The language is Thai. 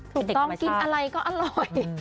ถูกต้องอาหารก็อร่อย